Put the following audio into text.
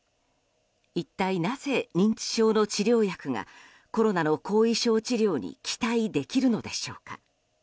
一体なぜ、認知症の治療薬がコロナの後遺症治療に期待できるのでしょうか。